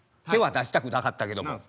手は出したくなかったけども。